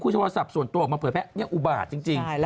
โทรศัพท์ส่วนตัวออกมาเผยแพร่นี่อุบาทจริง